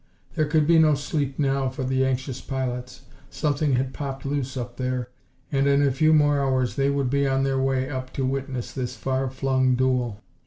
There could be no sleep now for the anxious pilots. Something had popped loose up there, and in a few more hours they would be on their way up to witness this far flung duel.